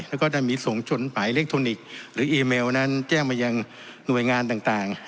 แล้วก็จะมีส่งชนหมายอิเล็กทรอนิกส์หรืออีเมลนั้นแจ้งมายังหน่วยงานต่าง